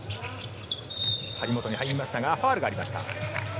張本に入りましたがファウルがありました。